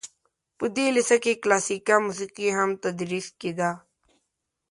په دې لیسه کې کلاسیکه موسیقي هم تدریس کیده.